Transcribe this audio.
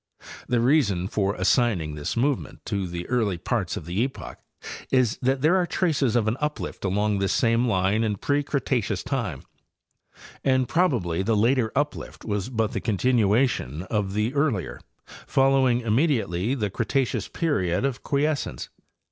The reason for assigning this movement to the early part of the epoch is that there are traces of an uplift along this same line in pre Cretaceous time, and probably the later uplift was but the continuation of the earlier, following immediately the Cretaceous period of quiescence.